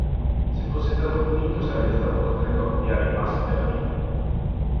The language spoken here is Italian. Se fosse stato punito, sarebbe stato costretto a copiare i passi della Bibbia.